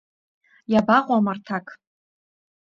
Иабаҟоу амарҭақ?!